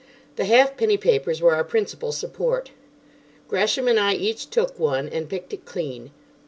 The halfpenny papers were our principal support. Gresham and I each took one, and picked it clean.